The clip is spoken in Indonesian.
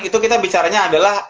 itu kita bicaranya adalah